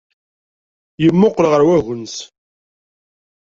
Yemmuqqel ɣer wagens.